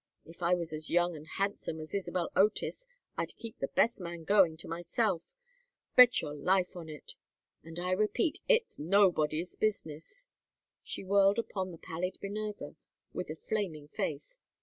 If I was as young and handsome as Isabel Otis I'd keep the best man going to myself, bet your life on it! And I repeat, it's nobody's business." She whirled upon the pallid Minerva with a flaming face.